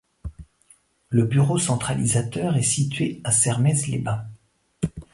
Le bureau centralisateur est situé à Sermaize-les-Bains.